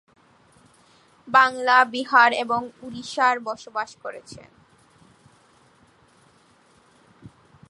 বাংলা, বিহার এবং ওড়িশায় বসবাস করছেন।